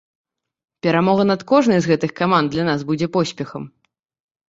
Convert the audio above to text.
Перамога над кожнай з гэтых каманд для нас будзе поспехам.